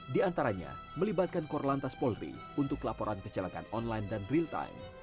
di antaranya melibatkan korlantas polri untuk laporan kecelakaan online dan real time